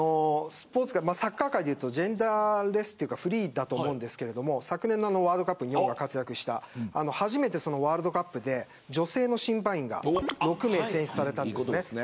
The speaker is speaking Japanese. サッカー界でいうとジェンダーレスというかフリーだと思うんですが昨年のワールドカップで初めてワールドカップで女性の審判員が６名選出されたんです。